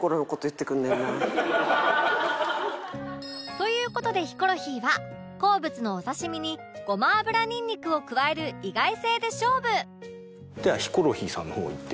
という事でヒコロヒーは好物のお刺身にごま油にんにくを加える意外性で勝負！ではヒコロヒーさんの方をいって。